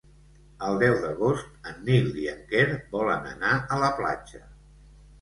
El deu d'agost en Nil i en Quer volen anar a la platja.